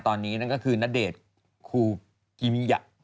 ตอนนี้นั่นก็คือณเดชน์คูกิมิยะ